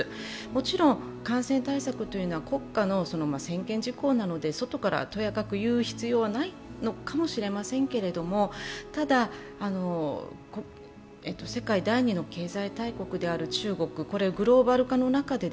もちろん感染対策というのは国家の宣言事項なので、外からとやかく言う必要はないのかもしれませんけれども、世界第２の経済大国である中国、グローバル化の中で